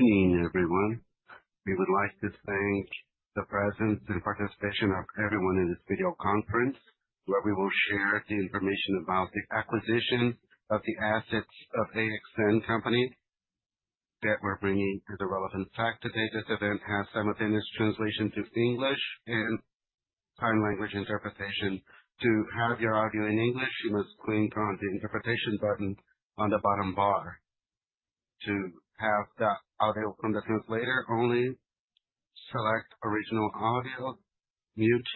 Good evening, everyone. We would like to thank the presence and participation of everyone in this video conference, where we will share the information about the acquisition of the assets of AXN Heavy Duty that we're bringing to the relevant facts today. This event has simultaneous translation to English and sign language interpretation. To have your audio in English, you must click on the interpretation button on the bottom bar. To have the audio from the translator, only select original audio. Mute.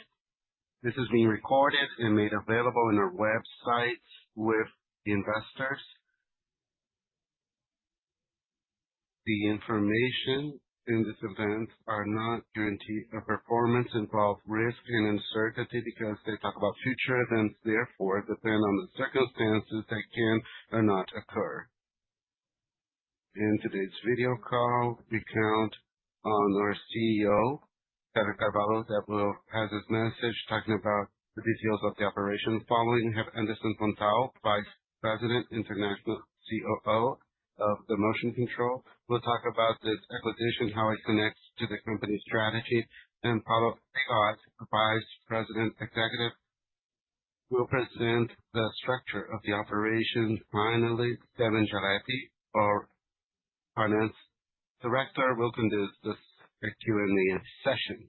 This is being recorded and made available on our website with investors. The information in this event is not guaranteed of performance, involves risk, and uncertainty because they talk about future events. Therefore, depend on the circumstances that can or not occur. In today's video call, we count on our CEO, Sergio L. Carvalho, that will pass his message talking about the details of the operation, followed by Anderson Pontalti, Vice President and International COO of the Motion Control. We'll talk about this acquisition, how it connects to the company's strategy, and follow up with Vice President, Executive. We'll present the structure of the operation. Finally, Estevão Allebrandt, our Finance Director, will conduct this Q&A session.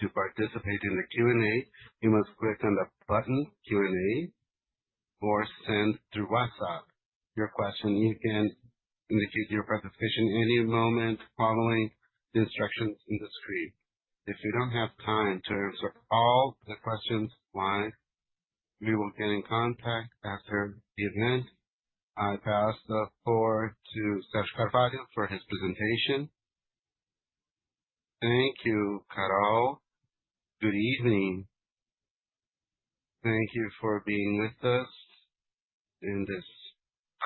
To participate in the Q&A, you must click on the button Q&A or send through WhatsApp your question. You can indicate your participation at any moment following the instructions on the screen. If you don't have time to answer all the questions live, we will get in contact after the event. I pass the floor to Sergio L. Carvalho for his presentation. Thank you, Carvalho. Good evening. Thank you for being with us in this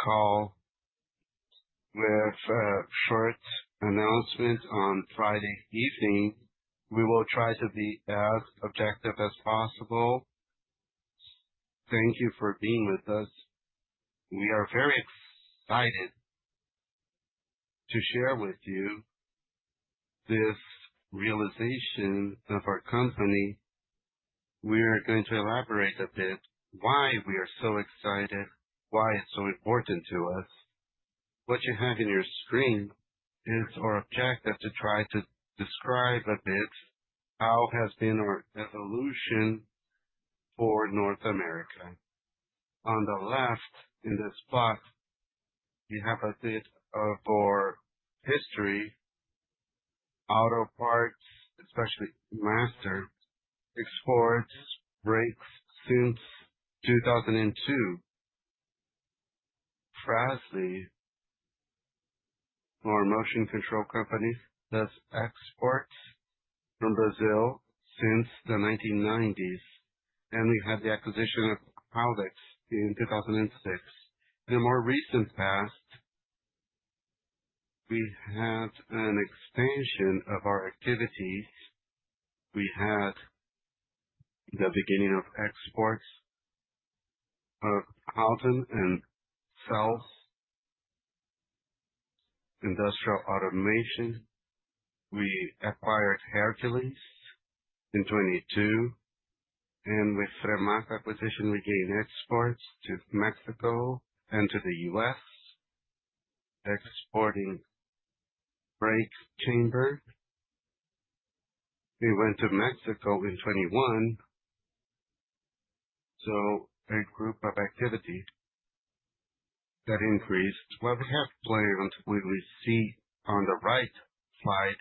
call. With a short announcement on Friday evening, we will try to be as objective as possible. Thank you for being with us. We are very excited to share with you this realization of our company. We're going to elaborate a bit why we are so excited, why it's so important to us. What you have in your screen is our objective to try to describe a bit how has been our evolution for North America. On the left in this spot, you have a bit of our history, auto parts, especially Master exports, brakes since 2002. Fras-le, our Motion Control Company, does exports from Brazil since the 1990s, and we had the acquisition of Haldex in 2006. In a more recent past, we had an expansion of our activities. We had the beginning of exports of Auttom and Suspensys Industrial Automation. We acquired Hercules in 2022, and with Fremax acquisition, we gained exports to Mexico and to the U.S., exporting brake chamber. We went to Mexico in 2021, so a group of activity that increased. What we have planned, what we see on the right side,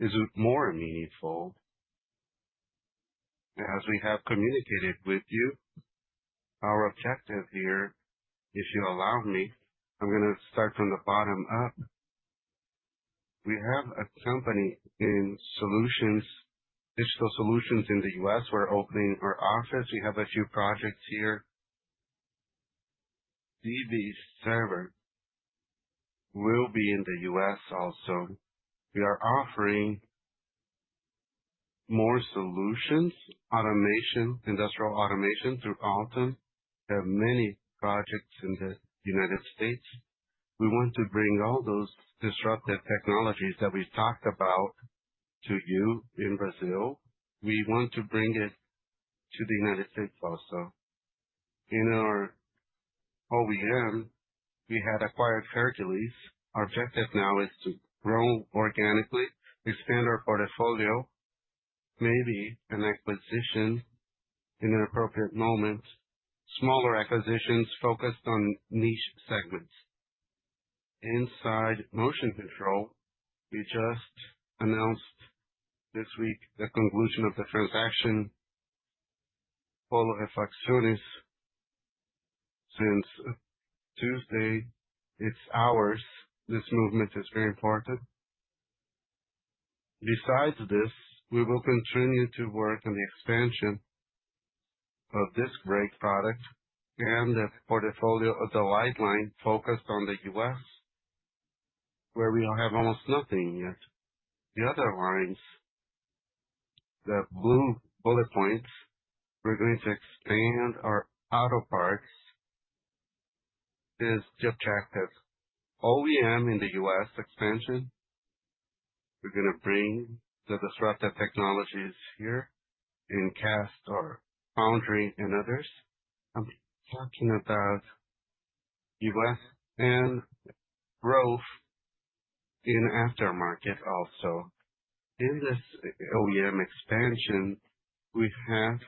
is more meaningful as we have communicated with you. Our objective here, if you allow me, I'm going to start from the bottom up. We have a company in solutions, digital solutions in the U.S. We're opening our office. We have a few projects here. DBServer will be in the U.S. also. We are offering more solutions, automation, industrial automation through Auttom. We have many projects in the United States. We want to bring all those disruptive technologies that we've talked about to you in Brazil. We want to bring it to the United States also. In our OEM, we had acquired Hercules. Our objective now is to grow organically, expand our portfolio, maybe an acquisition in an appropriate moment, smaller acquisitions focused on niche segments. Inside Motion Control, we just announced this week the conclusion of the transaction, Kuo Refacciones. Since Tuesday, it's ours. This movement is very important. Besides this, we will continue to work on the expansion of this brake product and the portfolio of the Light Line focused on the U.S., where we have almost nothing yet. The other lines, the blue bullet points, we're going to expand our auto parts is objective. OEM in the U.S. expansion, we're going to bring the disruptive technologies here and cast our foundry and others. I'm talking about U.S. and growth in aftermarket also. In this OEM expansion, we have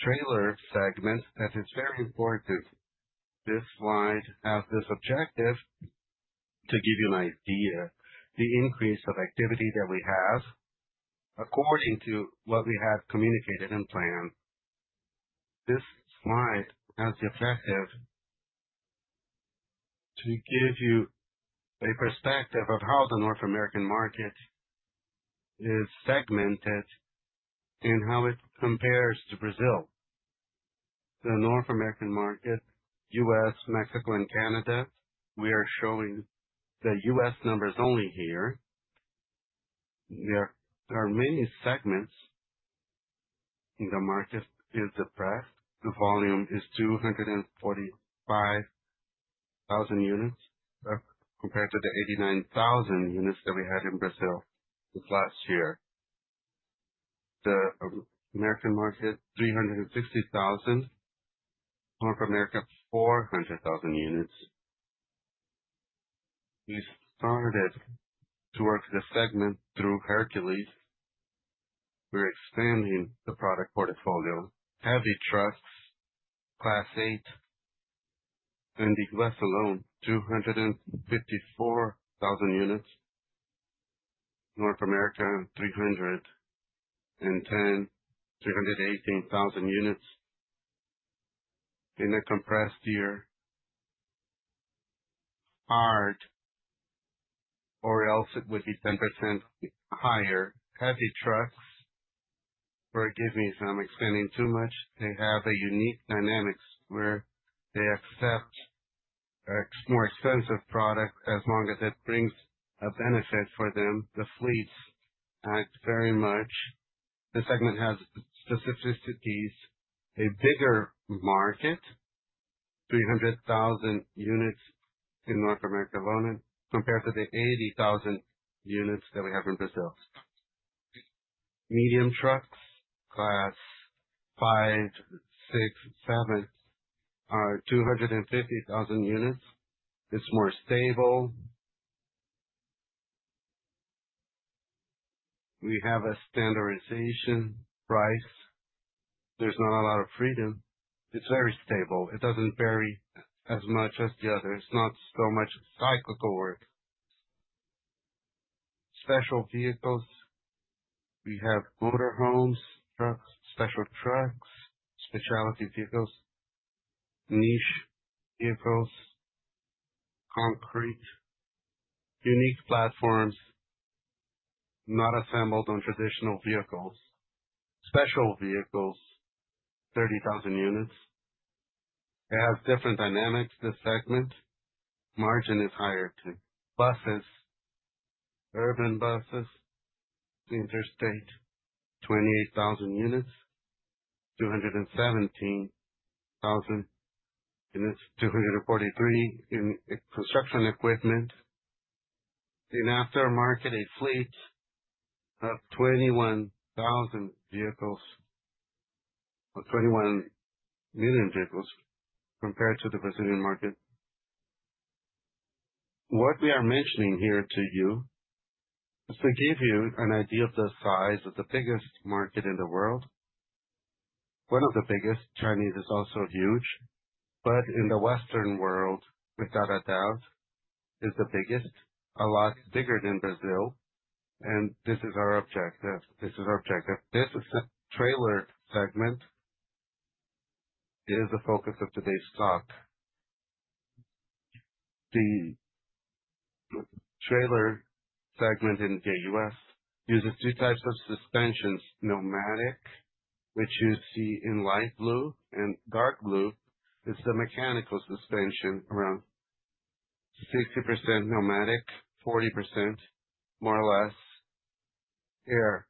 trailer segments. That is very important. This slide has this objective to give you an idea of the increase of activity that we have according to what we have communicated and planned. This slide has the objective to give you a perspective of how the North American market is segmented and how it compares to Brazil. The North American market, U.S., Mexico, and Canada, we are showing the U.S. numbers only here. There are many segments in the market. It is depressed. The volume is 245,000 units compared to the 89,000 units that we had in Brazil this last year. The American market, 360,000. North America, 400,000 units. We started to work the segment through Hercules. We're expanding the product portfolio, heavy trucks, Class 8, and the U.S. alone, 254,000 units. North America, 310,000 units in a compressed year. Hard or else it would be 10% higher. Heavy trucks, forgive me if I'm explaining too much. They have a unique dynamics where they accept more expensive product as long as it brings a benefit for them. The fleets act very much. The segment has specificities. A bigger market, 300,000 units in North America alone, compared to the 80,000 units that we have in Brazil. Medium trucks, Class 5, 6, 7, are 250,000 units. It's more stable. We have a standardization price. There's not a lot of freedom. It's very stable. It doesn't vary as much as the others. It's not so much cyclical work. Special vehicles. We have motorhomes, special trucks, specialty vehicles, niche vehicles, concrete, unique platforms, not assembled on traditional vehicles. Special vehicles, 30,000 units. It has different dynamics, this segment. Margin is higher to buses, urban buses, interstate, 28,000 units, 217,000 units, 243 in construction equipment. In aftermarket, a fleet of 21,000 vehicles, 21 million vehicles compared to the Brazilian market. What we are mentioning here to you is to give you an idea of the size of the biggest market in the world. One of the biggest. China is also huge, but in the Western world, without a doubt, is the biggest, a lot bigger than Brazil. And this is our objective. This is our objective. This trailer segment is the focus of today's talk. The trailer segment in the U.S. uses two types of suspensions: pneumatic, which you see in light blue and dark blue. It's the mechanical suspension around 60% pneumatic, 40% more or less air.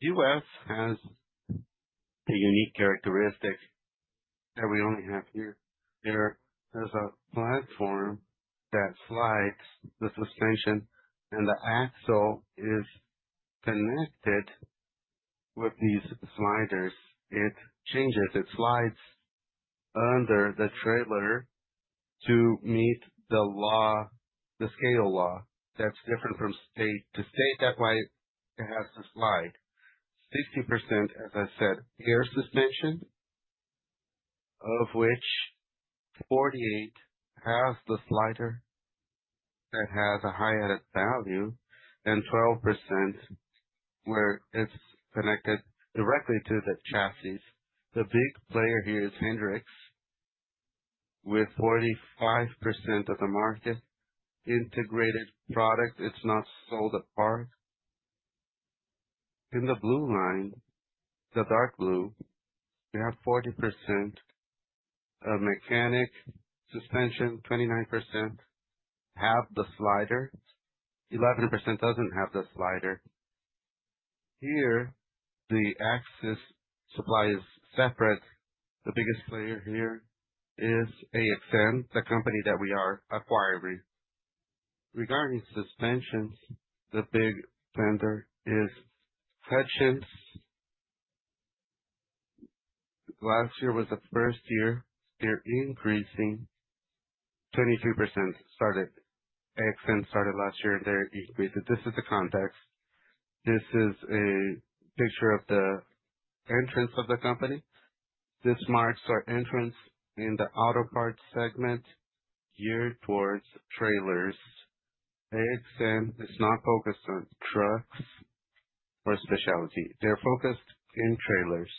The U.S. has a unique characteristic that we only have here. There is a platform that slides the suspension, and the axle is connected with these sliders. It changes. It slides under the trailer to meet the law, the scale law that's different from state to state. That's why it has to slide. 60%, as I said, air suspension, of which 48% has the slider that has a high added value, and 12% where it's connected directly to the chassis. The big player here is Hendrickson, with 45% of the market integrated product. It's not sold apart. In the blue line, the dark blue, we have 40% of mechanical suspension, 29% have the slider, 11% doesn't have the slider. Here, the axles supply is separate. The biggest player here is AXN, the company that we are acquiring. Regarding suspensions, the big vendor is Hutchens. Last year was the first year they're increasing. 23% started. AXN started last year, and they're increasing. This is the context. This is a picture of the entrance of the company. This marks our entrance in the auto parts segment geared towards trailers. AXN is not focused on trucks or specialty. They're focused in trailers.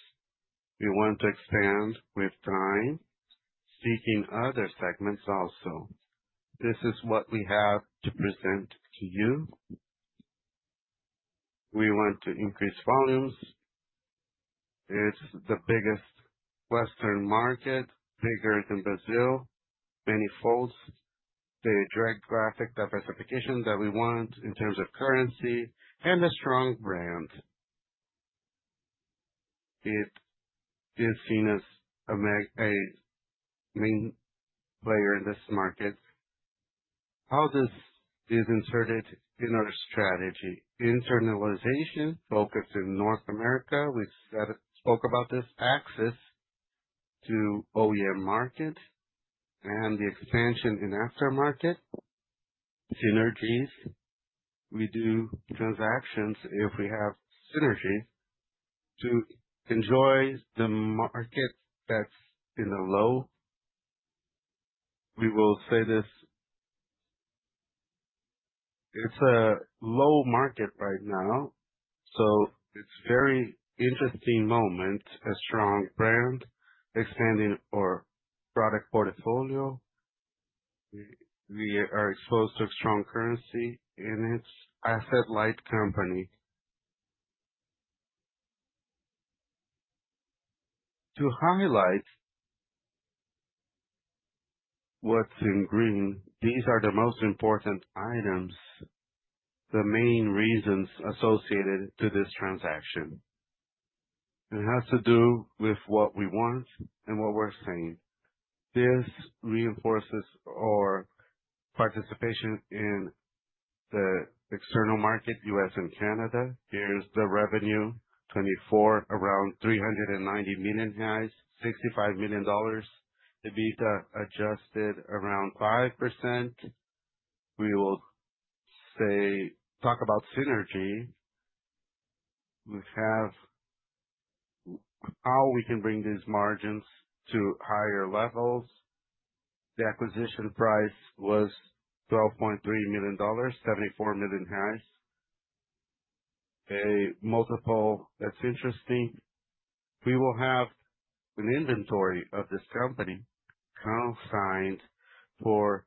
We want to expand with time, seeking other segments also. This is what we have to present to you. We want to increase volumes. It's the biggest Western market, bigger than Brazil, many folds. The geographic diversification that we want in terms of currency and a strong brand. It is seen as a main player in this market. How this is inserted in our strategy. Internationalization focused in North America. We spoke about this access to OEM market and the expansion in aftermarket synergies. We do transactions if we have synergies to enjoy the market that's in the low. We will say this. It's a low market right now, so it's a very interesting moment, a strong brand expanding our product portfolio. We are exposed to a strong currency in its asset light company. To highlight what's in green, these are the most important items, the main reasons associated to this transaction. It has to do with what we want and what we're saying. This reinforces our participation in the external market, US and Canada. Here's the revenue, 24, around 390 million reais, $65 million. EBITDA adjusted around 5%. We will talk about synergy. We have how we can bring these margins to higher levels. The acquisition price was $12.3 million, 74 million reais. A multiple that's interesting. We will have an inventory of this company consigned for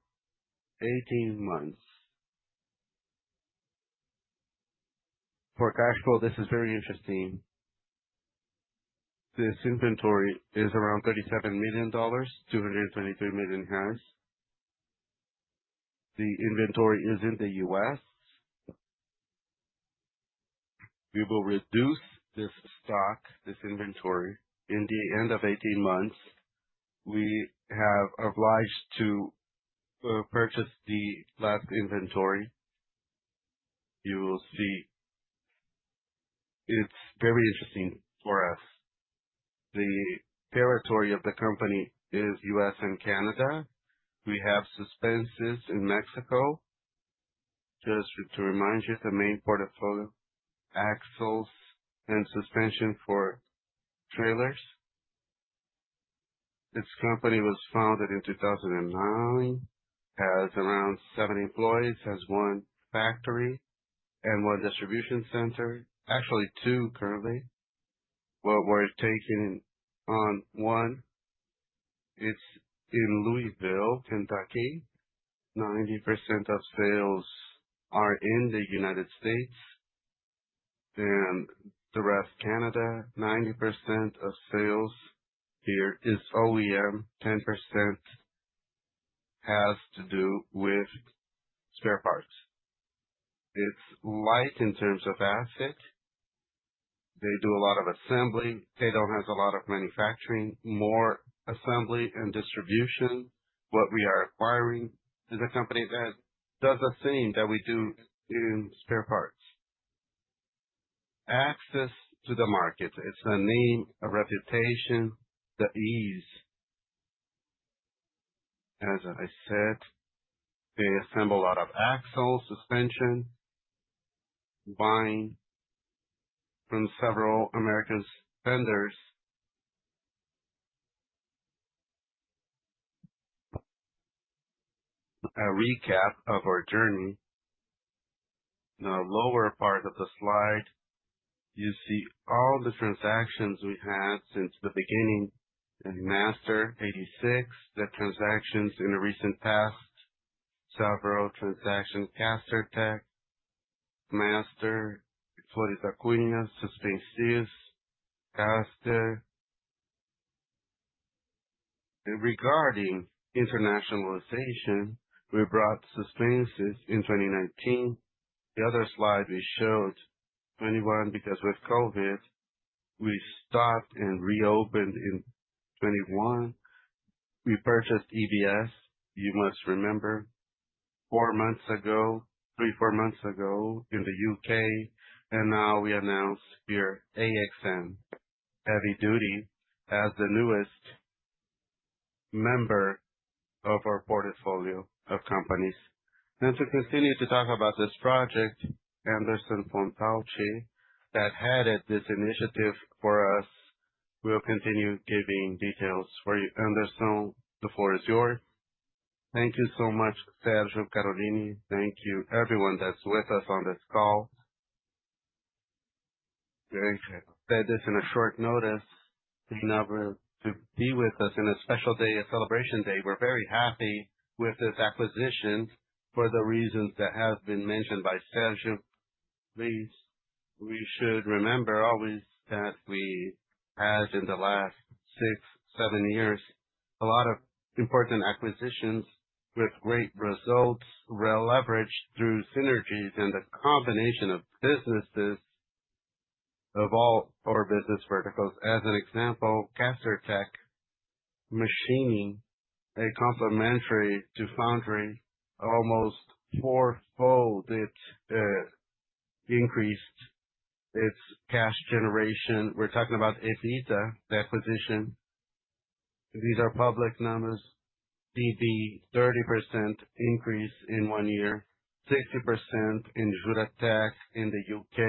18 months. For cash flow, this is very interesting. This inventory is around $37 million, 223 million reais. The inventory is in the US. We will reduce this stock, this inventory in the end of 18 months. We have obliged to purchase the last inventory. You will see it's very interesting for us. The territory of the company is U.S. and Canada. We have suspensions in Mexico. Just to remind you, the main portfolio, axles, and suspension for trailers. This company was founded in 2009, has around 70 employees, has one factory and one distribution center, actually two currently. We're taking on one. It's in Louisville, Kentucky. 90% of sales are in the United States and the rest, Canada. 90% of sales here is OEM. 10% has to do with spare parts. It's asset-light. They do a lot of assembly. They don't have a lot of manufacturing. More assembly and distribution. What we are acquiring is a company that does the same that we do in spare parts. Access to the market. It's the name, a reputation, the ease. As I said, they assemble a lot of axles, suspension, buying from several American vendors. A recap of our journey. The lower part of the slide, you see all the transactions we had since the beginning and Master '86, the transactions in the recent past, several transactions, Castertech, Master, Fras-le, Suspensys, Castertech. Regarding internationalization, we brought Suspensys in 2019. The other slide we showed 2021 because with COVID, we stopped and reopened in 2021. We purchased EBS, you must remember, four months ago, three, four months ago in the UK. And now we announce here AXN Heavy Duty as the newest member of our portfolio of companies. And to continue to talk about this project, Anderson Pontalti that headed this initiative for us. We'll continue giving details for you. Anderson, the floor is yours. Thank you so much, Sergio Carvalho. Thank you, everyone that's with us on this call. Very good. Done this on short notice. It's an honor to have you with us on a special day, a celebration day. We're very happy with this acquisition for the reasons that have been mentioned by Sergio. Please, we should remember always that we had in the last six, seven years a lot of important acquisitions with great results, well leveraged through synergies and the combination of businesses of all our business verticals. As an example, Castertech machining, a complement to foundry, almost fourfold increased its cash generation. We're talking about EBITDA, the acquisition. These are public numbers. EBITDA, 30% increase in one year, 60% in Juratek in the UK,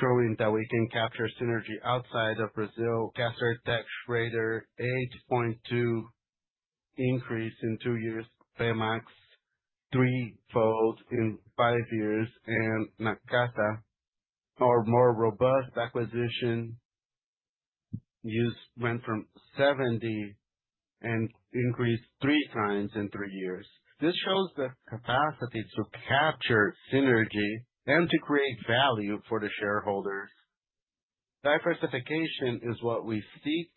showing that we can capture synergy outside of Brazil. Castertech Schroeder, 8.2% increase in two years, Fremax, threefold in five years, and Nakata, our more robust acquisition, went from 70% and increased three times in three years. This shows the capacity to capture synergy and to create value for the shareholders. Diversification is what we seek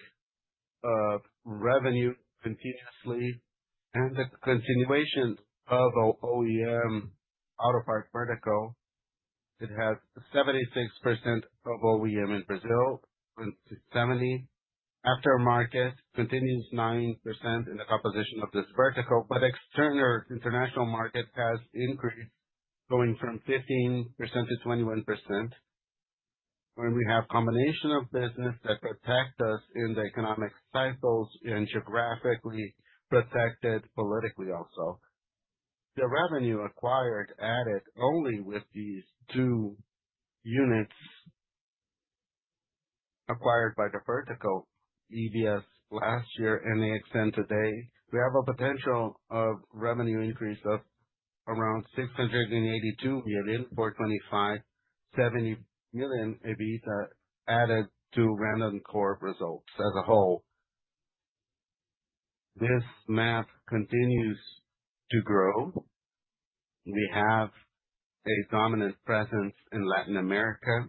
of revenue continuously and the continuation of OEM auto parts vertical. It has 76% of OEM in Brazil and 70%. Aftermarket continues 9% in the composition of this vertical, but external international market has increased going from 15% to 21%. When we have a combination of business that protect us in the economic cycles and geographically protected politically also. The revenue acquired added only with these two units acquired by the vertical, EBS last year and Juratek today. We have a potential of revenue increase of around 682 million for 2025, 70 million EBITDA added to Randoncorp results as a whole. This ramp continues to grow. We have a dominant presence in Latin America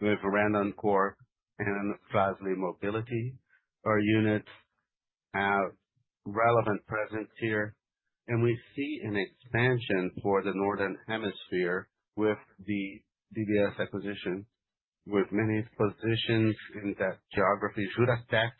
with Randoncorp and Fras-le Mobility. Our units have relevant presence here, and we see an expansion for the northern hemisphere with the EBS acquisition, with many positions in that geography. Juratek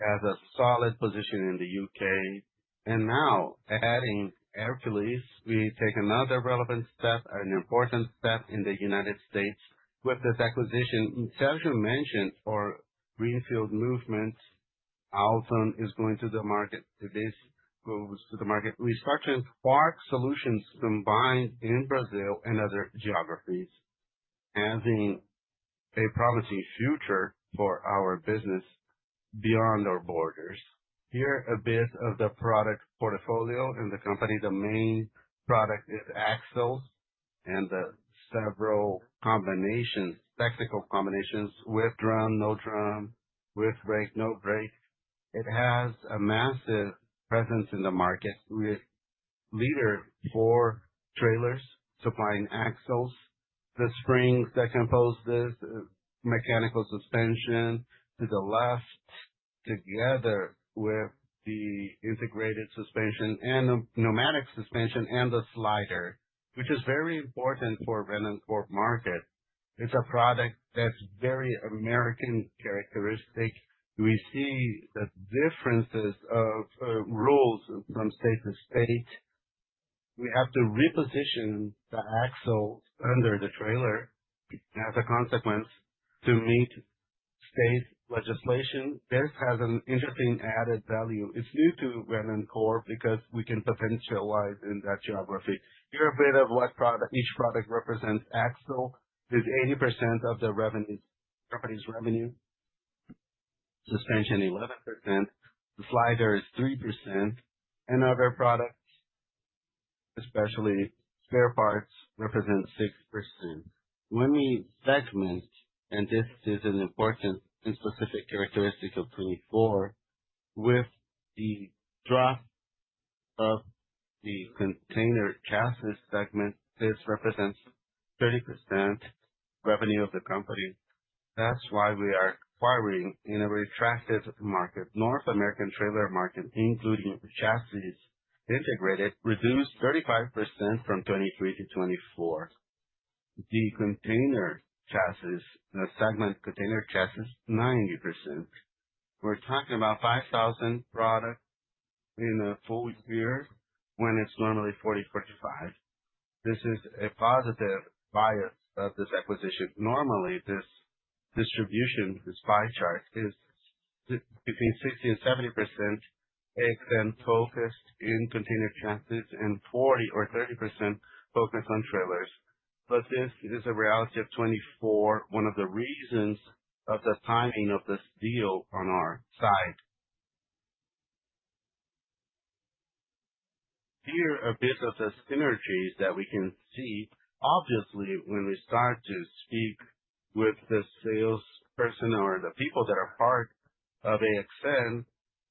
has a solid position in the U.K., and now adding Hercules, we take another relevant step, an important step in the United States with this acquisition. Sergio mentioned our greenfield movement. AXN is going to the market. This goes to the market. We start to embark solutions combined in Brazil and other geographies, having a promising future for our business beyond our borders. Here's a bit of the product portfolio and the company. The main product is axles and several combinations, technical combinations with drum, no drum, with brake, no brake. It has a massive presence in the market as leader for trailers, supplying axles, the springs that compose this mechanical suspension to the left, together with the integrated suspension and pneumatic suspension and the slider, which is very important for Randoncorp market. It's a product that's very American characteristic. We see the differences of rules from state to state. We have to reposition the axle under the trailer as a consequence to meet state legislation. This has an interesting added value. It's new to Randoncorp because we can capitalize in that geography. Here's a bit of what each product represents. Axle is 80% of the company's revenue. Suspension 11%. The slider is 3%. And other products, especially spare parts, represent 6%. When we segment, and this is an important and specific characteristic of AXN, with the drop of the container chassis segment, this represents 30% revenue of the company. That's why we are acquiring in a contracted market. North American trailer market, including integrated chassis, reduced 35% from 2023 to 2024. The container chassis, the segment container chassis, 90%. We're talking about 5,000 products in a full year when it's normally 40, 45. This is a positive bias of this acquisition. Normally, this distribution, this pie chart, is between 60 and 70% focused in container chassis and 40 or 30% focused on trailers. But this is a reality of 2024, one of the reasons of the timing of this deal on our side. Here are a bit of the synergies that we can see. Obviously, when we start to speak with the salesperson or the people that are part of AXN,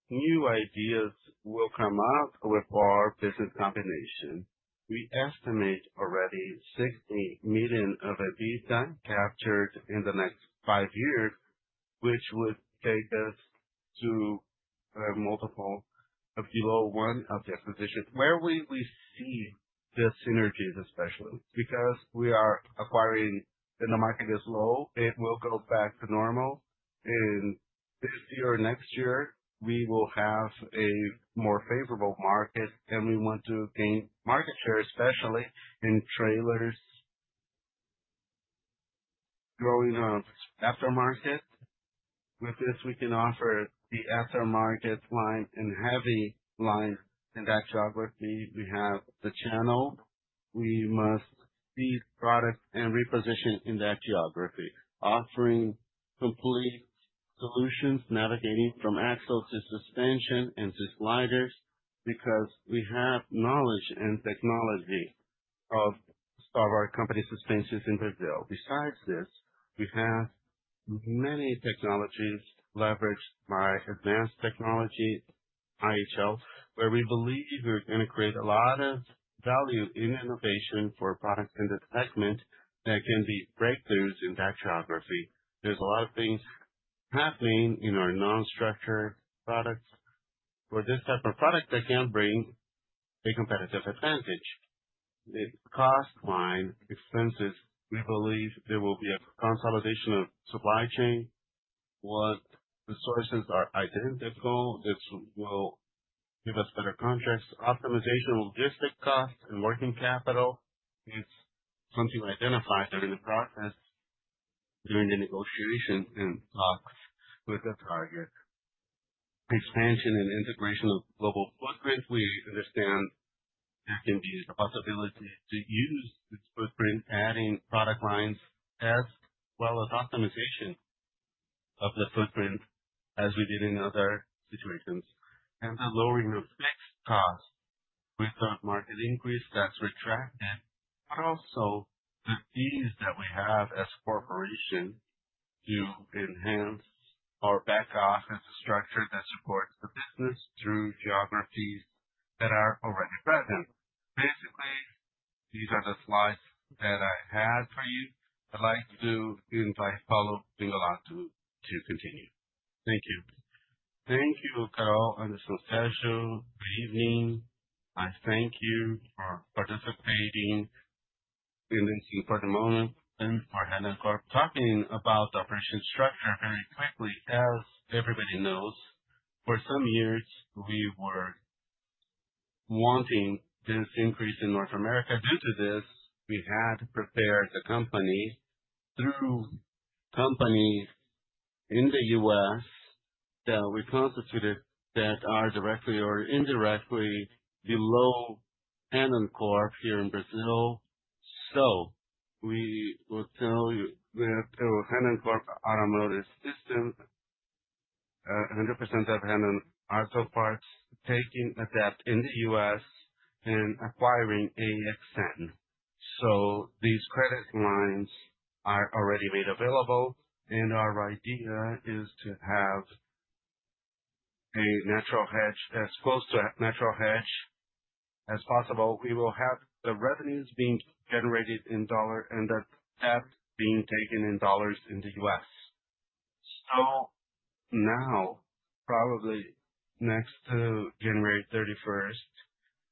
new ideas will come up with our business combination. We estimate already 60 million of EBITDA captured in the next five years, which would take us to a multiple of below one of the acquisition. Where will we see the synergies, especially? Because we are acquiring and the market is low, it will go back to normal, and this year or next year, we will have a more favorable market, and we want to gain market share, especially in trailers growing aftermarket. With this, we can offer the aftermarket line and heavy line in that geography. We have the channel. We must see product and reposition in that geography, offering complete solutions, navigating from axles to suspension and to sliders because we have knowledge and technology of our company's suspensions in Brazil. Besides this, we have many technologies leveraged by advanced technology, IHL, where we believe we're going to create a lot of value in innovation for products in the segment that can be breakthroughs in that geography. There's a lot of things happening in our non-structured products for this type of product that can bring a competitive advantage. The cost line, expenses, we believe there will be a consolidation of supply chain. What resources are identical, this will give us better contracts. Optimization, logistic costs, and working capital. It's something we identify during the process, during the negotiation and talks with the target. Expansion and integration of global footprint. We understand there can be a possibility to use this footprint, adding product lines as well as optimization of the footprint as we did in other situations. And the lowering of fixed costs with the market increase that's retracted, but also the ease that we have as a corporation to enhance our back office structure that supports the business through geographies that are already present. Basically, these are the slides that I had for you. I'd like to invite Paulo Prignolato to continue. Thank you. Thank you, Carol, and Sergio, good evening. I thank you for participating in this important moment for Randoncorp talking about the operational structure very quickly. As everybody knows, for some years, we were wanting this increase in North America. Due to this, we had prepared the company through companies in the U.S. that we constituted that are directly or indirectly below Randoncorp here in Brazil. So we will tell you that Randoncorp Automotive System, 100% of Randoncorp Parts taking a foothold in the U.S. and acquiring AXN. These credit lines are already made available, and our idea is to have a natural hedge as close to natural hedge as possible. We will have the revenues being generated in dollar and the debt being taken in dollars in the US. Now, probably next to January 31st,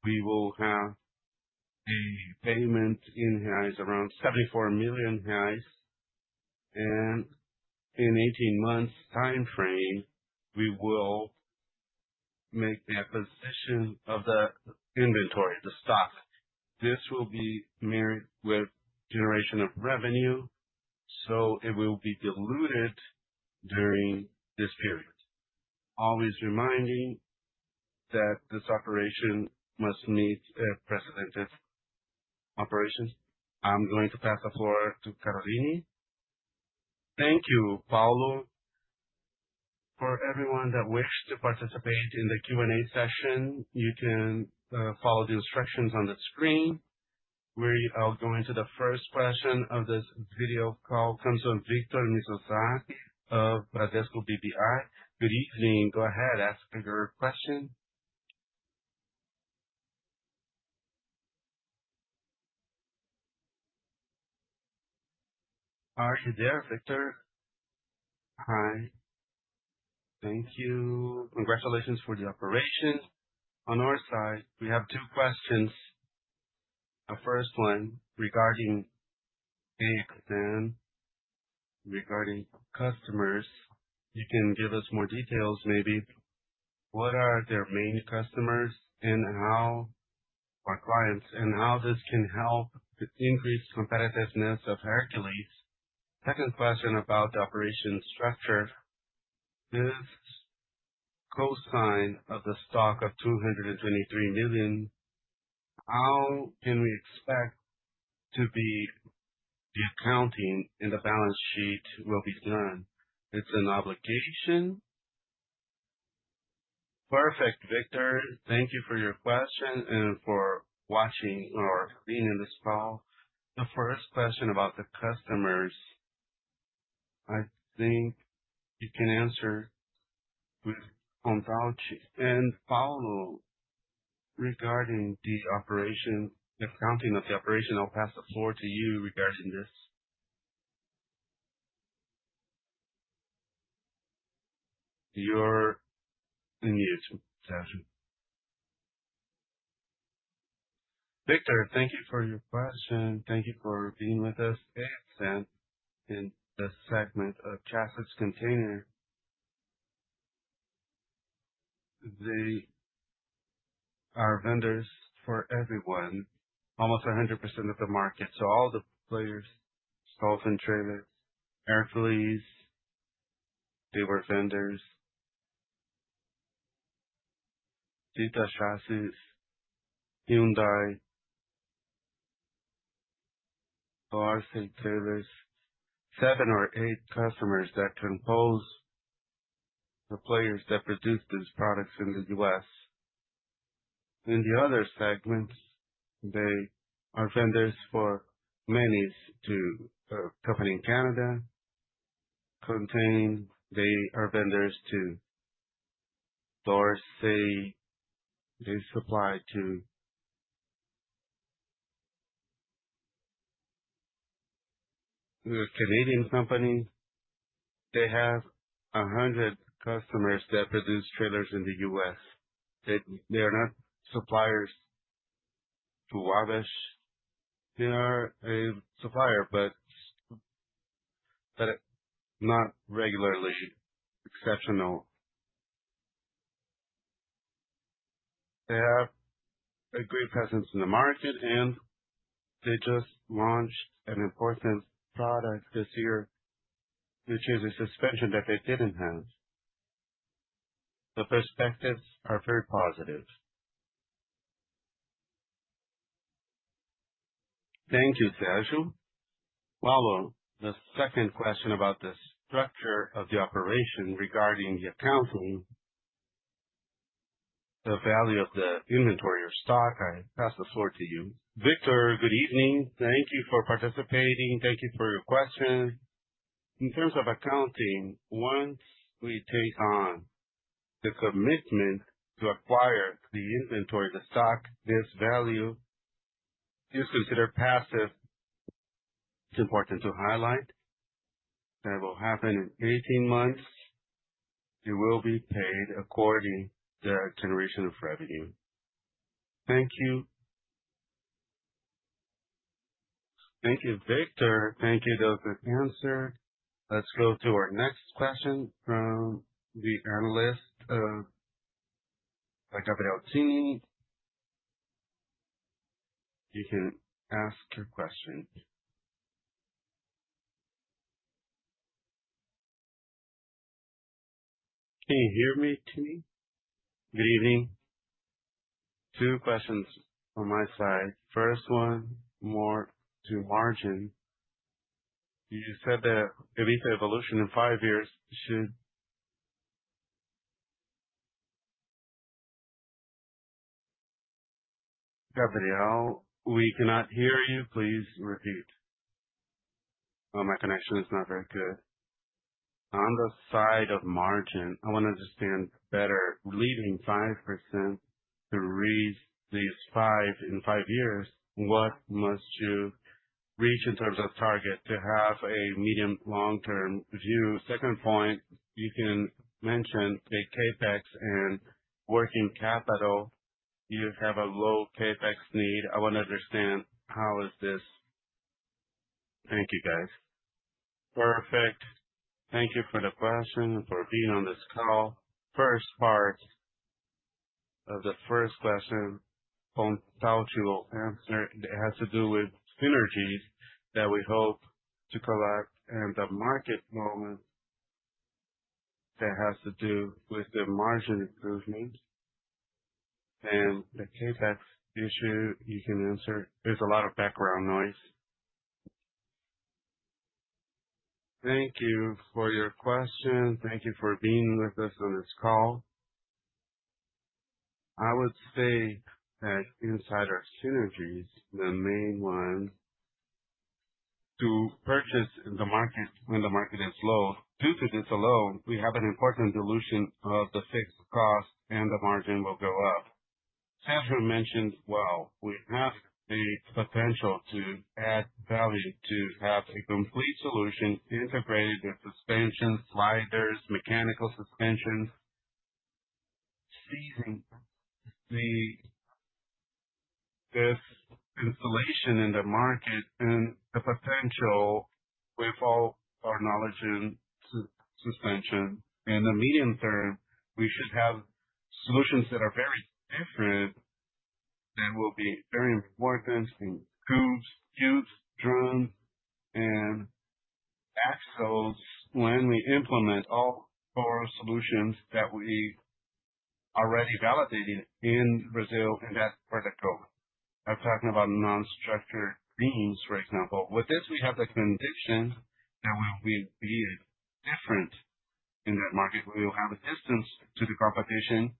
we will have a payment in reais around 74 million reais. In 18 months' timeframe, we will make the acquisition of the inventory, the stock. This will be married with generation of revenue, so it will be diluted during this period. Always reminding that this operation must meet a precedented operation. I'm going to pass the floor to Caroline. Thank you, Paulo. For everyone that wished to participate in the Q&A session, you can follow the instructions on the screen, where I'll go into the first question of this video call. It comes from Victor Mizusaki of Bradesco BBI. Good evening. Go ahead, ask your question. Are you there, Victor? Hi. Thank you. Congratulations for the operation. On our side, we have two questions. The first one regarding AXN, regarding customers. You can give us more details, maybe. What are their main customers and our clients and how this can help increase competitiveness of Hercules? Second question about the operation structure. This consignment of the stock of 223 million, how can we expect the accounting and the balance sheet will be done? It's an obligation. Perfect, Victor. Thank you for your question and for watching or being in this call. The first question about the customers, I think you can answer with Paulo regarding the operation, the accounting of the operation. I'll pass the floor to you regarding this. You're on mute, Sergio. Victor, thank you for your question. Thank you for being with us. AXN in the segment of container chassis. They are vendors for everyone, almost 100% of the market. So all the players, Stoughton Trailers, Hercules, they were vendors. Cheetah Chassis, Hyundai, CIMC Trailers. Seven or eight customers that compose the players that produce these products in the US. In the other segments, they are vendors for many to a company in Canada. In container, they are vendors to Dorsey. They supply to a Canadian company. They have 100 customers that produce trailers in the US. They are not suppliers to Wabash. They are a supplier, but not regularly exceptional. They have a great presence in the market, and they just launched an important product this year, which is a suspension that they didn't have. The perspectives are very positive. Thank you, Sergio. Paulo, the second question about the structure of the operation regarding the accounting, the value of the inventory or stock. I pass the floor to you. Victor, good evening. Thank you for participating. Thank you for your question. In terms of accounting, once we take on the commitment to acquire the inventory, the stock, this value is considered passive. It's important to highlight that it will happen in 18 months. It will be paid according to the generation of revenue. Thank you. Thank you, Victor. Thank you for the answer. Let's go to our next question from the analyst, Gabriel Tini. You can ask your question. Can you hear me, Tini? Good evening. Two questions on my side. First one, more to margin. You said that EBITDA evolution in five years should. Gabriel, we cannot hear you. Please repeat. My connection is not very good. On the side of margin, I want to understand better. Leaving 5% to raise these five in five years, what must you reach in terms of target to have a medium-long-term view? Second point, you can mention a CapEx and working capital. You have a low CapEx need. I want to understand how is this—thank you, guys. Perfect. Thank you for the question and for being on this call. First part of the first question, Paulo will answer. It has to do with synergies that we hope to collect and the market moment that has to do with the margin improvement and the CapEx issue. You can answer. There's a lot of background noise. Thank you for your question. Thank you for being with us on this call. I would say that inside our synergies, the main one to purchase in the market when the market is low. Due to this alone, we have an important dilution of the fixed cost, and the margin will go up. Sergio mentioned, well, we have a potential to add value to have a complete solution integrated with suspension sliders, mechanical suspensions, seizing this installation in the market and the potential with all our knowledge in suspension. In the medium term, we should have solutions that are very different that will be very important in tubes, drums, and axles when we implement all four solutions that we already validated in Brazil in that vertical. I'm talking about non-structured beams, for example. With this, we have the conviction that we will be different in that market. We will have a distance to the competition,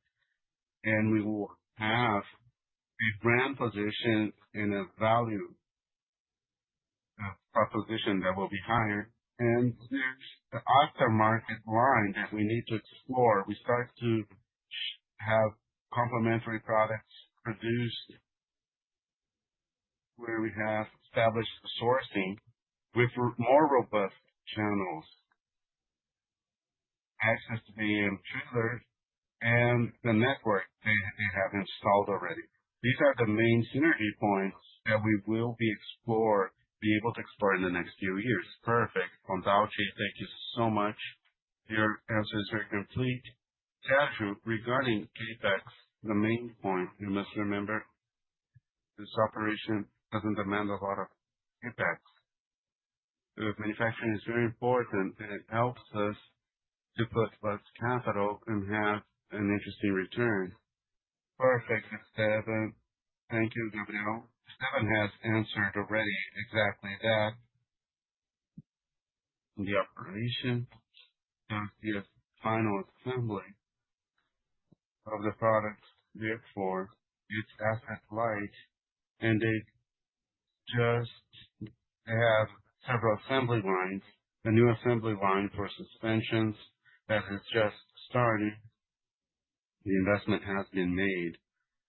and we will have a brand position and a value proposition that will be higher. And there's the aftermarket line that we need to explore. We start to have complementary products produced where we have established sourcing with more robust channels, access to van trailers, and the network they have installed already. These are the main synergy points that we will be able to explore in the next few years. Perfect. Paulo Prignolato, thank you so much. Your answer is very complete. Sergio, regarding CapEx, the main point you must remember, this operation doesn't demand a lot of CapEx. Manufacturing is very important, and it helps us to put less capital and have an interesting return. Perfect, Estevão. Thank you, Gabriel. Estevão has answered already exactly that. The operation does the final assembly of the products. Therefore, it's asset-light, and they just have several assembly lines. The new assembly line for suspensions that has just started, the investment has been made.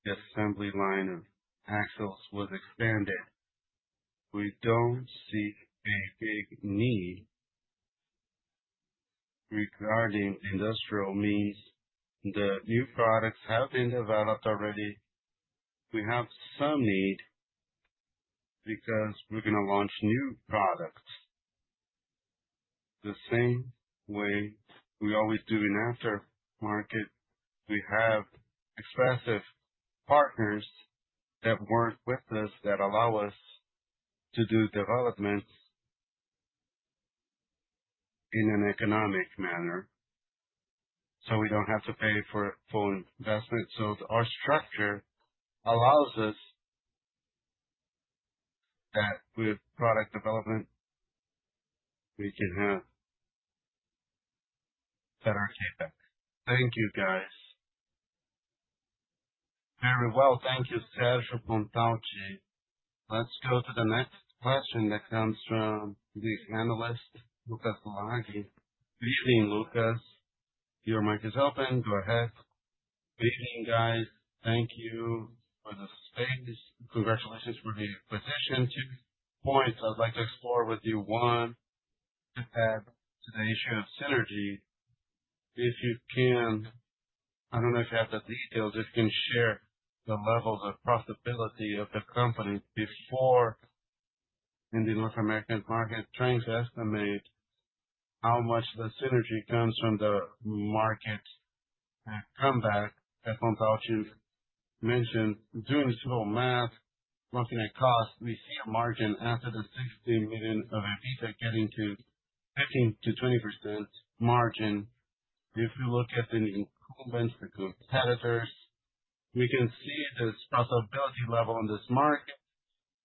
The assembly line of axles was expanded. We don't see a big need regarding industrial means. The new products have been developed already. We have some need because we're going to launch new products. The same way we always do in aftermarket, we have expressive partners that work with us that allow us to do developments in an economic manner. So we don't have to pay for full investment. So our structure allows us that with product development, we can have better CapEx. Thank you, guys. Very well. Thank you, Sergio Pontachi. Let's go to the next question that comes from the analyst, Lucas Laghi. Good evening, Lucas. Your mic is open. Go ahead. Good evening, guys. Thank you for the space. Congratulations for the acquisition. Two points I'd like to explore with you. One is that the issue of synergy. If you can, I don't know if you have the details, if you can share the levels of profitability of the company before in the North American market, trying to estimate how much the synergy comes from the market and come back. As Paulo mentioned, doing this little math, looking at cost, we see a margin after the $60 million of EBITDA getting to 15%-20% margin. If we look at the incumbents, the competitors, we can see this profitability level in this market.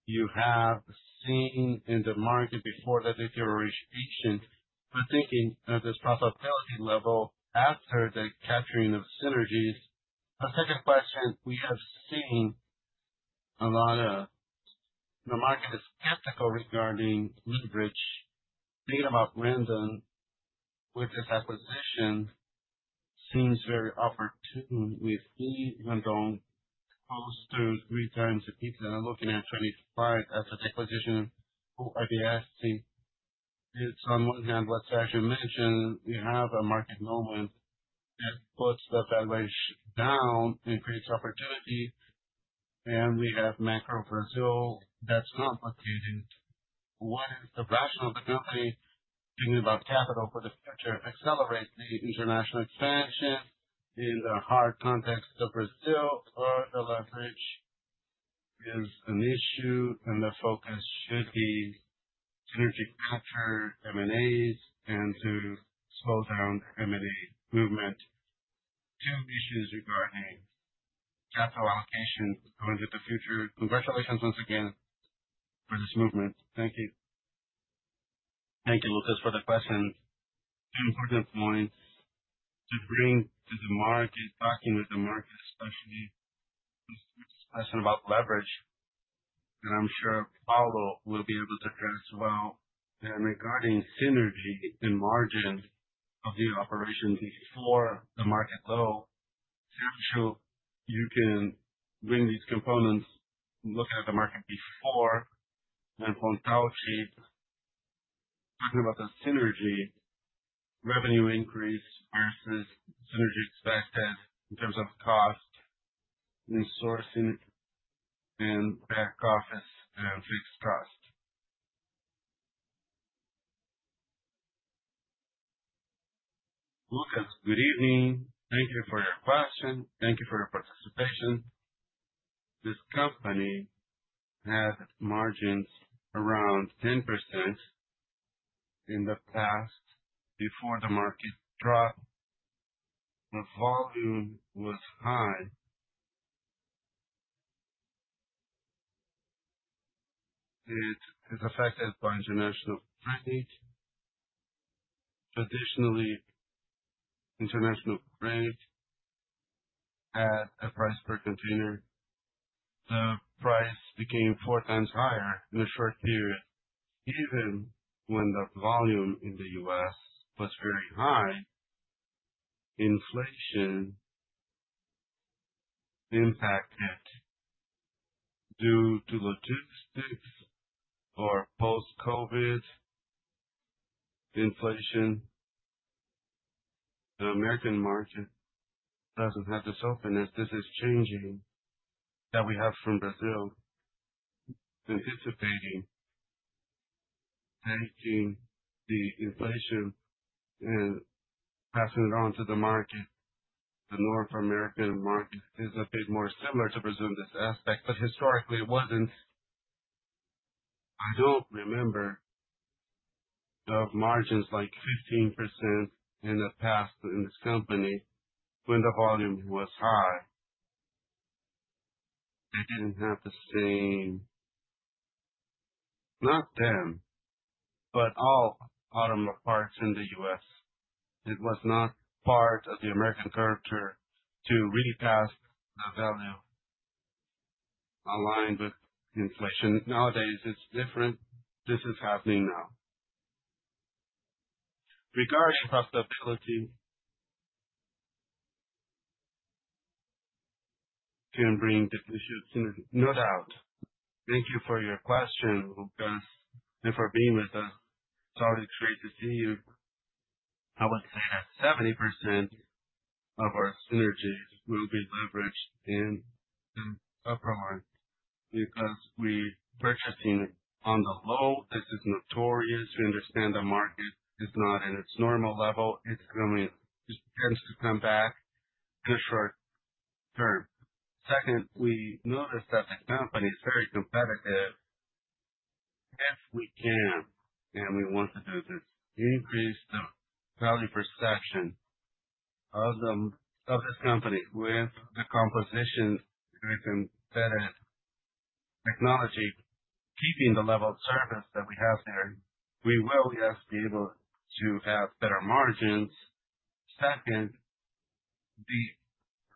You have seen in the market before that it's your orientation. But thinking of this profitability level after the capturing of synergies. A second question. We have seen a lot of the market is skeptical regarding leverage. Thinking about Randon with this acquisition seems very opportune. We see Randon close to three times EBITDA, looking at 2.5 after the acquisition. I'd be asking, on one hand, what Sergio mentioned. We have a market moment that puts the valuation down and creates opportunity, and we have macro Brazil that's complicated. What is the rationale of the company? Thinking about capital for the future, accelerate the international expansion in the hard context of Brazil or the leverage is an issue, and the focus should be energy capture, M&As, and to slow down M&A movement. Two issues regarding capital allocation going into the future. Congratulations once again for this movement. Thank you. Thank you, Lucas, for the question. Two important points to bring to the market, talking with the market, especially this question about leverage, and I'm sure Paulo will be able to address well, and regarding synergy and margin of the operation before the market low, Sergio, you can bring these components, look at the market before. And Pontalti, talking about the synergy, revenue increase versus synergy expected in terms of cost and sourcing and back office and fixed cost. Lucas, good evening. Thank you for your question. Thank you for your participation. This company had margins around 10% in the past before the market dropped. The volume was high. It is affected by international trade. Traditionally, international trade had a price per container. The price became four times higher in a short period. Even when the volume in the U.S. was very high, inflation impacted due to logistics or post-COVID inflation. The American market doesn't have this openness. This is changing that we have from Brazil anticipating. Taking the inflation and passing it on to the market, the North American market is a bit more similar to Brazil in this aspect, but historically, it wasn't. I don't remember of margins like 15% in the past in this company when the volume was high. They didn't have the same, not them, but all automotive parts in the U.S. It was not part of the American culture to really pass the value aligned with inflation. Nowadays, it's different. This is happening now. Regarding profitability, can bring the issue of synergy, no doubt. Thank you for your question, Lucas, and for being with us. It's always great to see you. I would say that 70% of our synergies will be leveraged in the aftermarket because we're purchasing on the low. This is notorious. We understand the market is not at its normal level. It tends to come back in a short term. Second, we noticed that the company is very competitive. If we can and we want to do this, increase the value perception of this company with the composition, very competitive technology, keeping the level of service that we have there, we will, yes, be able to have better margins. Second, the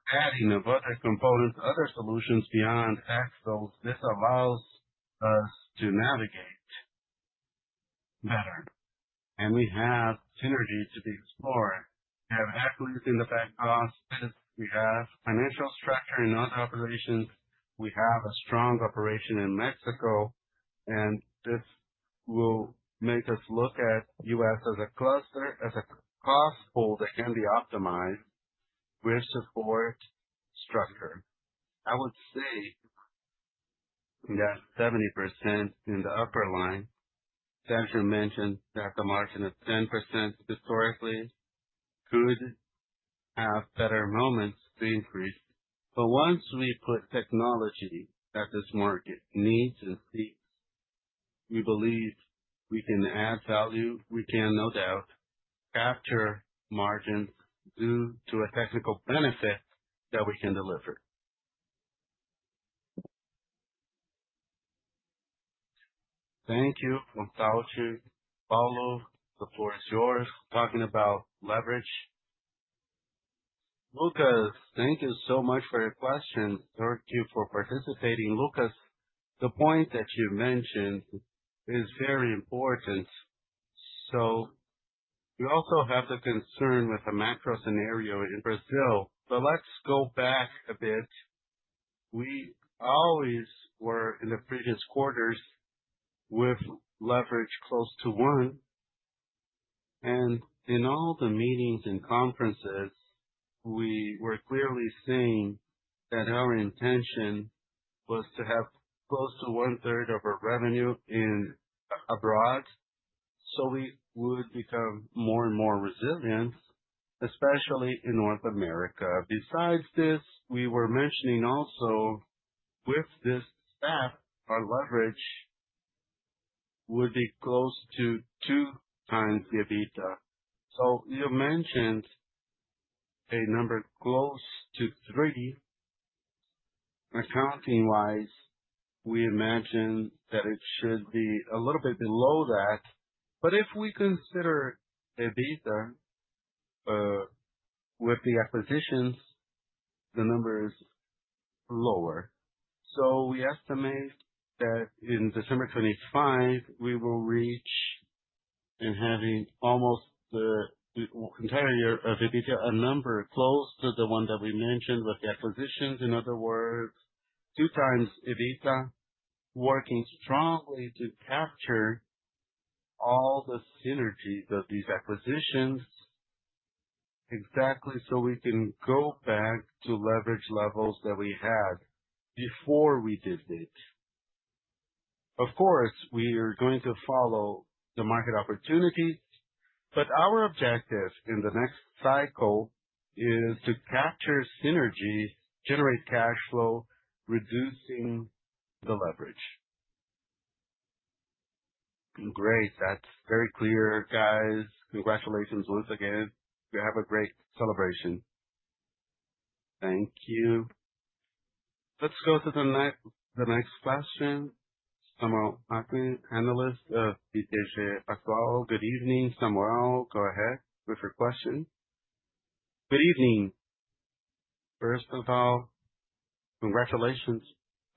adding of other components, other solutions beyond axles. This allows us to navigate better, and we have synergy to be explored. We have efficiencies in the back office. We have financial structure in other operations. We have a strong operation in Mexico, and this will make us look at the U.S. as a cluster, as a cost pool that can be optimized with support structure. I would say that 70% in the upper line. Sergio mentioned that the margin of 10% historically could have better moments to increase, but once we put technology that this market needs and seeks, we believe we can add value. We can, no doubt, capture margins due to a technical benefit that we can deliver. Thank you, Paolo Coppetti. Paolo, the floor is yours. Talking about leverage. Lucas, thank you so much for your question. Thank you for participating. Lucas, the point that you mentioned is very important. So we also have the concern with a macro scenario in Brazil. But let's go back a bit. We always were in the previous quarters with leverage close to one. And in all the meetings and conferences, we were clearly saying that our intention was to have close to one-third of our revenue abroad so we would become more and more resilient, especially in North America. Besides this, we were mentioning also with this stuff, our leverage would be close to two times the EBITDA. So you mentioned a number close to three. Accounting-wise, we imagine that it should be a little bit below that. But if we consider EBITDA with the acquisitions, the number is lower. So we estimate that in December 2025, we will reach, and having almost the entire year of EBITDA, a number close to the one that we mentioned with the acquisitions. In other words, two times EBITDA, working strongly to capture all the synergies of these acquisitions exactly so we can go back to leverage levels that we had before we did this. Of course, we are going to follow the market opportunities. But our objective in the next cycle is to capture synergy, generate cash flow, reducing the leverage. Great. That's very clear, guys. Congratulations once again. You have a great celebration. Thank you. Let's go to the next question. Samuel Alves, analyst of BTG Pactual. Good evening, Samuel. Go ahead with your question. Good evening. First of all, congratulations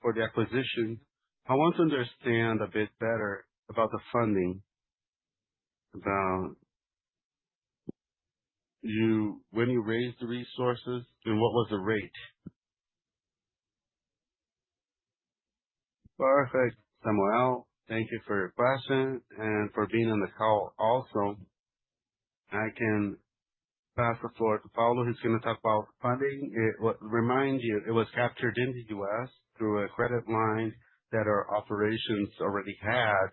for the acquisition. I want to understand a bit better about the funding. When you raised the resources and what was the rate? Perfect, Samuel. Thank you for your question and for being on the call also. I can pass the floor to Paulo who's going to talk about funding. It will remind you it was captured in the U.S. through a credit line that our operations already had.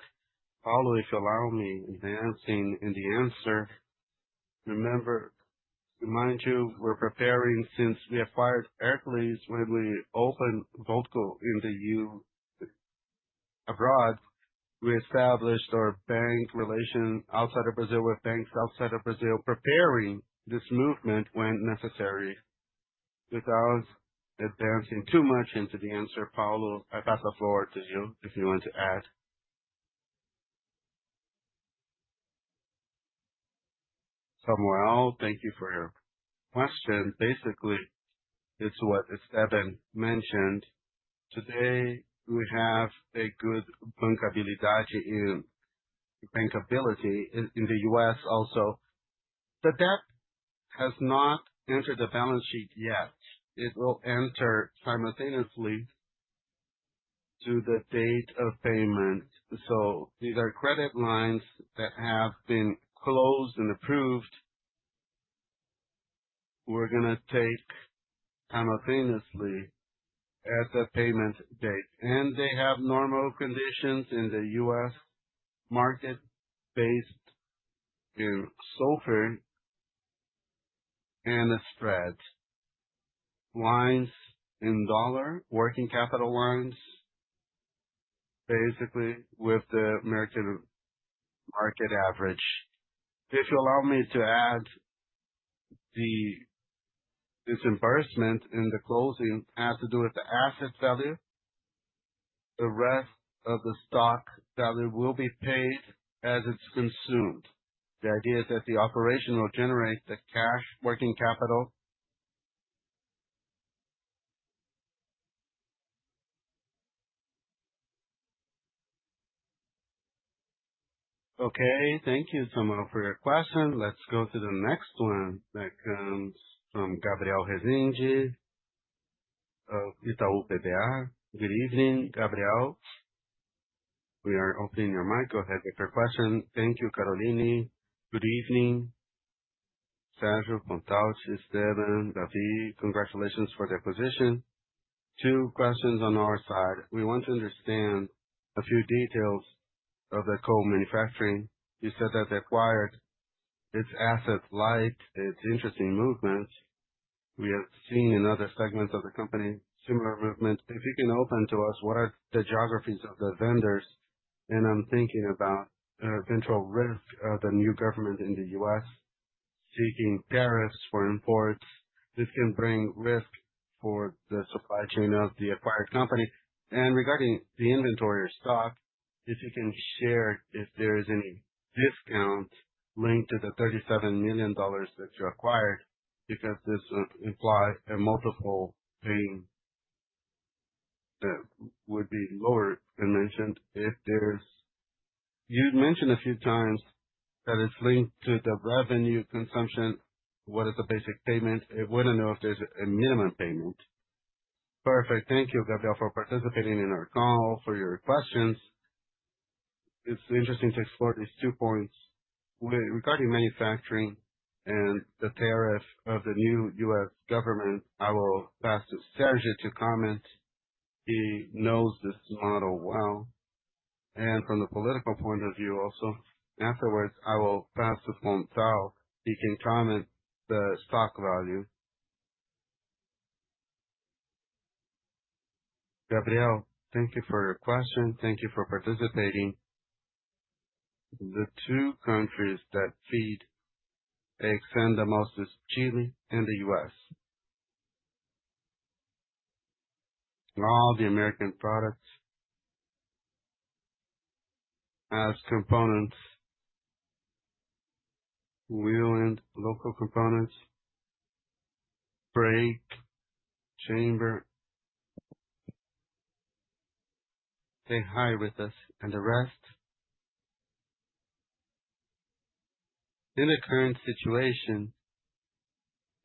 Paulo, if you allow me advancing in the answer. Remind you, we're preparing since we acquired Airclause when we opened Holdcointo you abroad. We established our bank relation outside of Brazil with banks outside of Brazil, preparing this movement when necessary without advancing too much into the answer. Paulo, I pass the floor to you if you want to add. Samuel, thank you for your question. Basically, it's what Estevão mentioned. Today, we have a good bankability in the U.S. also. The debt has not entered the balance sheet yet. It will enter simultaneously to the date of payment, so these are credit lines that have been closed and approved. We're going to take simultaneously at the payment date, and they have normal conditions in the U.S. market based in SOFR and the spreads. Lines in dollar, working capital lines, basically with the American market average. If you allow me to add, this disbursement in the closing has to do with the asset value. The rest of the stock value will be paid as it's consumed. The idea is that the operation will generate the cash working capital. Okay. Thank you, Samuel, for your question. Let's go to the next one that comes from Gabriel Rezende of Itaú BBA. Good evening, Gabriel. We are opening your mic. Go ahead with your question. Thank you, Caroline. Good evening. Sergio, Pontalti, Estevão, David, congratulations for the acquisition. Two questions on our side. We want to understand a few details of the co-manufacturing. You said that they acquired its asset light. It's interesting movements. We have seen in other segments of the company similar movement. If you can open to us, what are the geographies of the vendors? And I'm thinking about the potential risk of the new government in the U.S. seeking tariffs for imports. This can bring risk for the supply chain of the acquired company. And regarding the inventory or stock, if you can share if there is any discount linked to the $37 million that you acquired because this implies a multiple paying that would be lower. You mentioned a few times that it's linked to the revenue consumption. What is the basic payment? I want to know if there's a minimum payment. Perfect. Thank you, Gabriel, for participating in our call for your questions. It's interesting to explore these two points regarding manufacturing and the tariff of the new U.S. government. I will pass to Sergio to comment. He knows this model well and from the political point of view also. Afterwards, I will pass to Pontalti. He can comment the stock value. Gabriel, thank you for your question. Thank you for participating. The two countries that feed extend the most is Chile and the U.S. All the American products as components, wheel and local components, brake chamber. Stay high with us and the rest. In the current situation,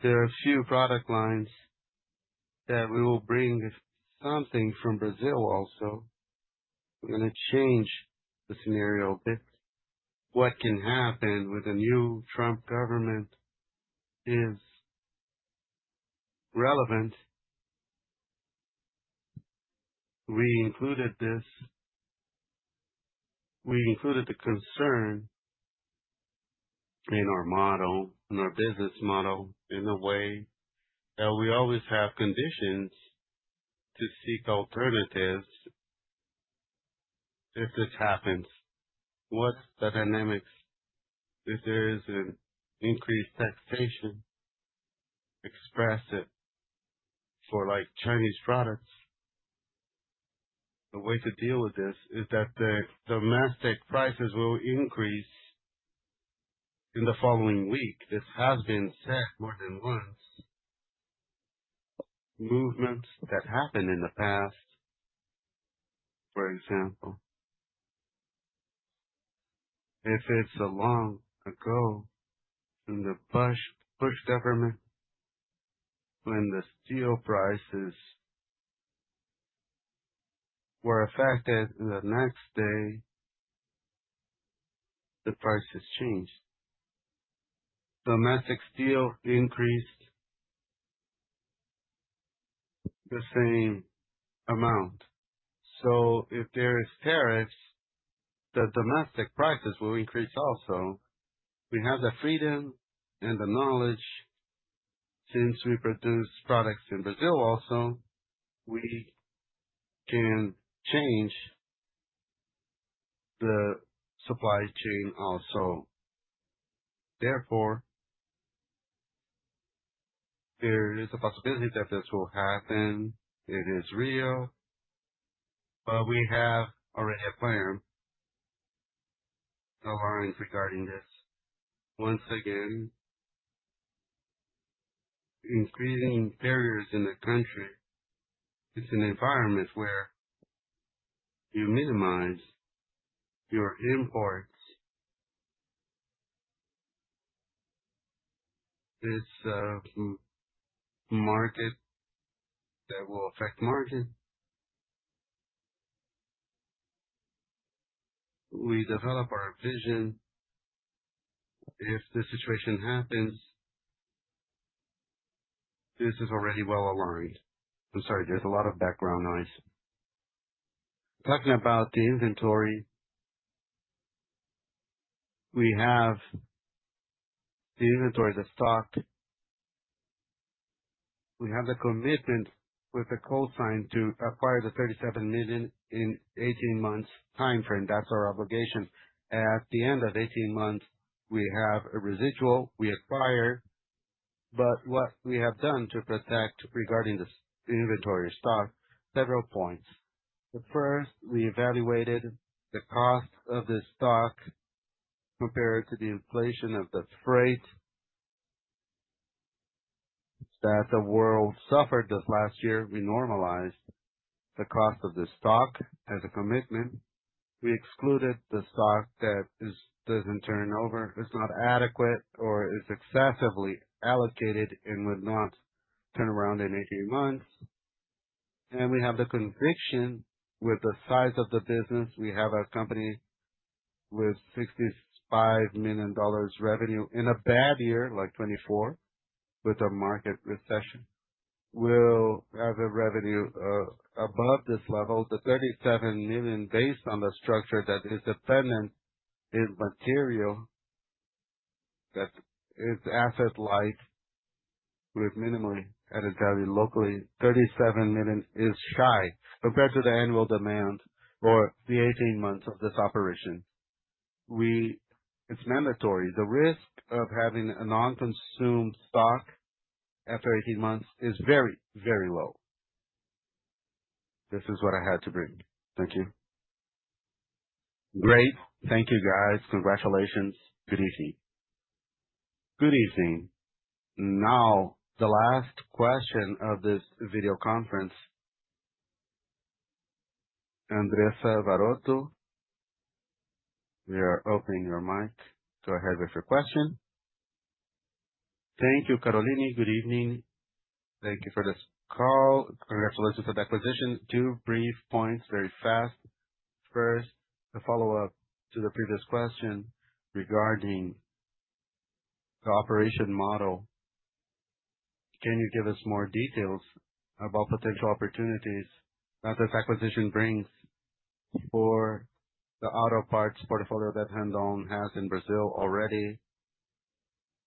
there are a few product lines that we will bring something from Brazil also. We're going to change the scenario a bit. What can happen with a new Trump government is relevant. We included this. We included the concern in our model, in our business model, in the way that we always have conditions to seek alternatives if this happens. What's the dynamics? If there is an increased taxation, especially for Chinese products. The way to deal with this is that the domestic prices will increase in the following week. This has been said more than once. Movements that happened in the past, for example. It was long ago in the Bush government when the steel prices were affected the next day, the prices changed. Domestic steel increased the same amount. So if there are tariffs, the domestic prices will increase also. We have the freedom and the knowledge since we produce products in Brazil also. We can change the supply chain also. Therefore, there is a possibility that this will happen. It is real. But we have already a plan, the lines regarding this. Once again, increasing barriers in the country. It's an environment where you minimize your imports. It's a market that will affect margin. We develop our vision if the situation happens. This is already well aligned. I'm sorry, there's a lot of background noise. Talking about the inventory, we have the inventory, the stock. We have the commitment with the consigned to acquire the 37 million in 18 months' time frame. That's our obligation. At the end of 18 months, we have a residual we acquire. But what we have done to protect regarding this inventory or stock, several points. First, we evaluated the cost of this stock compared to the inflation of the freight that the world suffered this last year. We normalized the cost of the stock as a commitment. We excluded the stock that doesn't turn over, is not adequate, or is excessively allocated and would not turn around in 18 months. We have the conviction with the size of the business. We have a company with $65 million revenue in a bad year, like 2024, with a market recession. We'll have a revenue above this level. The $37 million, based on the structure that is dependent in material, that is asset light with minimally added value locally, $37 million is shy compared to the annual demand for the 18 months of this operation. It's mandatory. The risk of having a non-consumed stock after 18 months is very, very low. This is what I had to bring. Thank you. Great. Thank you, guys. Congratulations. Good evening. Good evening. Now, the last question of this video conference. Andressa Varotto, we are opening your mic. Go ahead with your question. Thank you, Caroline. Good evening. Thank you for this call. Congratulations for the acquisition. Two brief points, very fast. First, to follow up to the previous question regarding the operation model, can you give us more details about potential opportunities that this acquisition brings for the auto parts portfolio that Randon has in Brazil already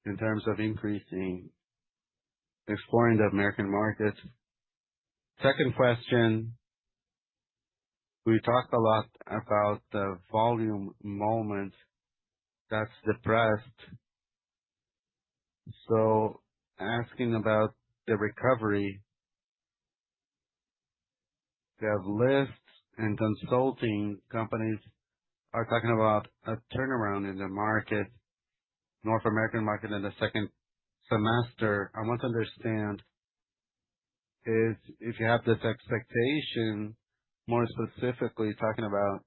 in terms of increasing, exploring the American market? Second question, we talked a lot about the volume moment that's depressed. So asking about the recovery. We have analysts and consulting companies are talking about a turnaround in the market, North American market in the second semester. I want to understand if you have this expectation, more specifically talking about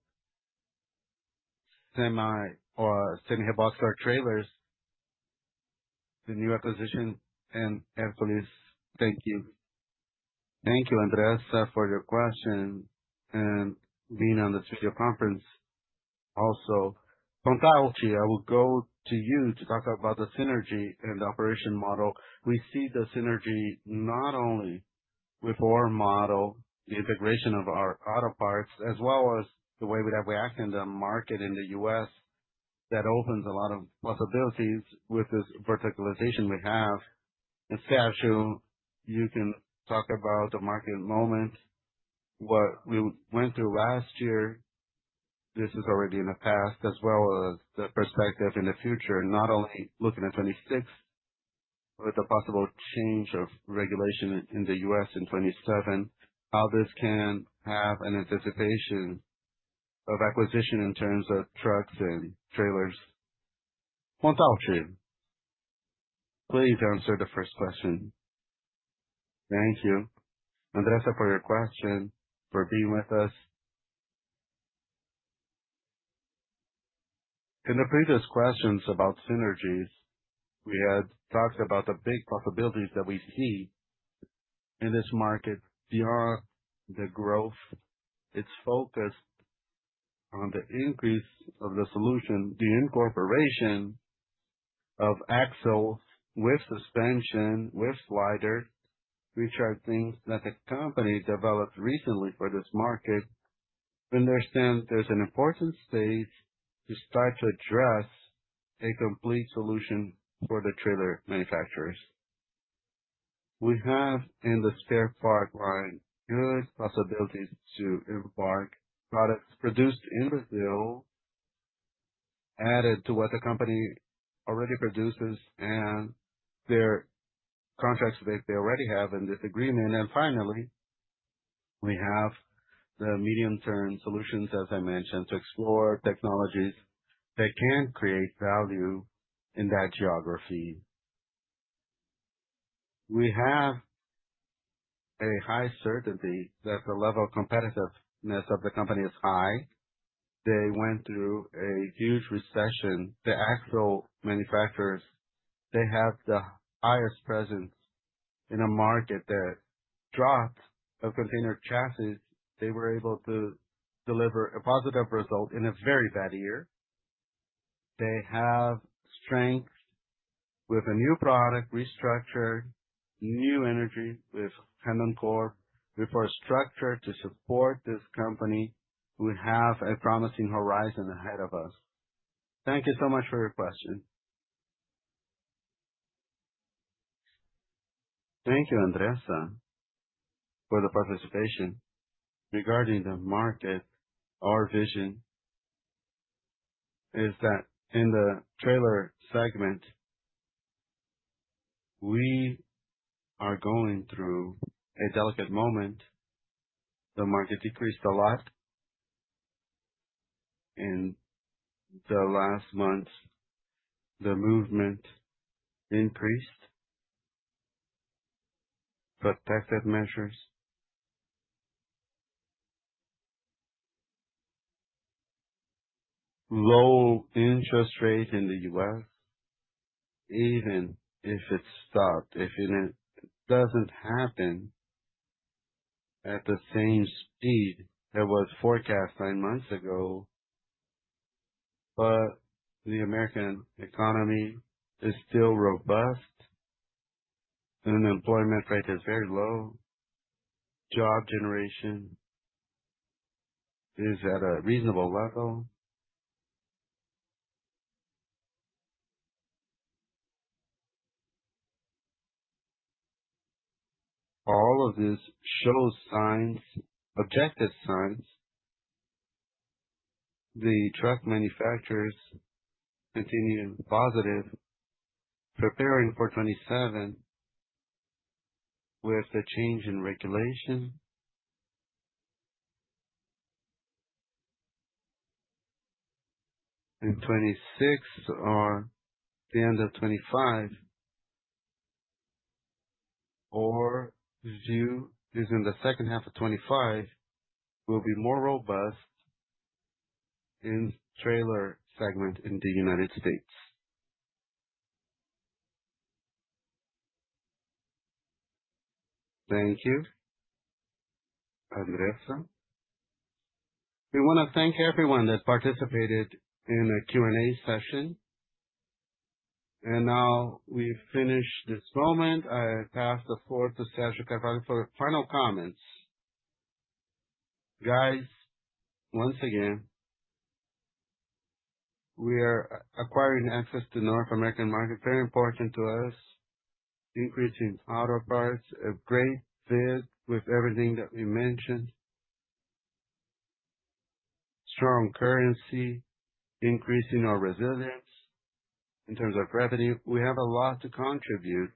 semi-heavy haul trailers, the new acquisition and AXN. Thank you. Thank you, Andressa, for your question and being on this video conference also. Pontalti, I will go to you to talk about the synergy and the operation model. We see the synergy not only with our model, the integration of our auto parts, as well as the way that we act in the market in the US that opens a lot of possibilities with this verticalization we have. And Sergio, you can talk about the market moment, what we went through last year. This is already in the past, as well as the perspective in the future, not only looking at 2026, but the possible change of regulation in the US in 2027, how this can have an anticipation of acquisition in terms of trucks and trailers. Pontalti, please answer the first question. Thank you, Andressa, for your question, for being with us. In the previous questions about synergies, we had talked about the big possibilities that we see in this market beyond the growth. It's focused on the increase of the solution, the incorporation of axles with suspension, with sliders, which are things that the company developed recently for this market. We understand there's an important stage to start to address a complete solution for the trailer manufacturers. We have in the spare part line good possibilities to embark products produced in Brazil, added to what the company already produces and their contracts that they already have in this agreement. And finally, we have the medium-term solutions, as I mentioned, to explore technologies that can create value in that geography. We have a high certainty that the level of competitiveness of the company is high. They went through a huge recession. The axle manufacturers, they have the highest presence in a market that dropped of container chassis. They were able to deliver a positive result in a very bad year. They have strength with a new product, restructured, new energy with Randoncorp, with a structure to support this company. We have a promising horizon ahead of us. Thank you so much for your question. Thank you, Andressa, for the participation. Regarding the market, our vision is that in the trailer segment, we are going through a delicate moment. The market decreased a lot in the last month. The movement increased. Protective measures. Low interest rate in the U.S., even if it stopped, if it doesn't happen at the same speed that was forecast nine months ago. But the American economy is still robust. Unemployment rate is very low. Job generation is at a reasonable level. All of this shows signs, objective signs. The truck manufacturers continue positive, preparing for 2027 with a change in regulation. In 2026 or the end of 2025, our view is in the second half of 2025 will be more robust in trailer segment in the United States. Thank you, Andressa. We want to thank everyone that participated in the Q&A session. And now we finish this moment. I pass the floor to Sergio Carvalho for final comments. Guys, once again, we are acquiring access to North American market, very important to us, increasing auto parts, a great bid with everything that we mentioned, strong currency, increasing our resilience in terms of revenue. We have a lot to contribute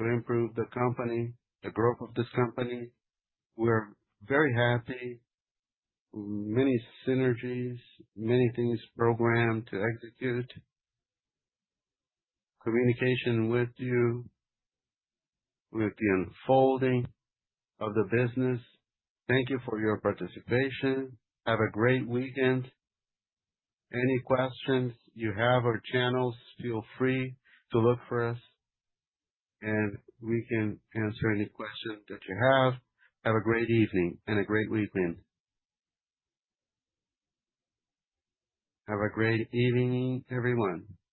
to improve the company, the growth of this company. We're very happy. Many synergies, many things programmed to execute. Communication with you with the unfolding of the business. Thank you for your participation. Have a great weekend. Any questions you have or channels, feel free to look for us, and we can answer any questions that you have. Have a great evening and a great weekend. Have a great evening, everyone.